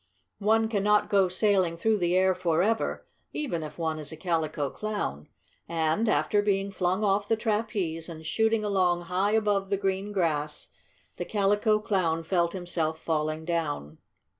One can not go sailing through the air forever, even if one is a Calico Clown. And, after being flung off the trapeze and shooting along high above the green grass, the Calico Clown felt himself falling down.